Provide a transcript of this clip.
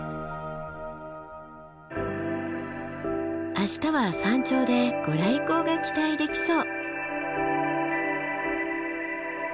明日は山頂で御来光が期待できそう。